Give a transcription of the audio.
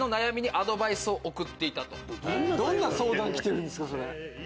どんな相談が来てるんすか？